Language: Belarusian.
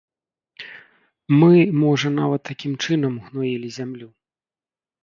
Мы, можа, нават такім чынам ўгноілі зямлю.